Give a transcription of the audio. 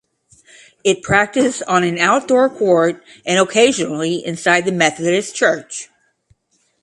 It practiced on an outdoor court and occasionally inside the Methodist Church.